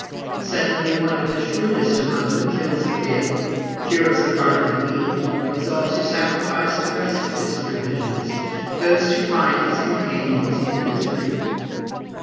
Suddenly, one of the shrewdest among them kills a pig, cures a part of the meat; and, resolved to sacrifice the rest of his provisions, goes to find his companions in misery.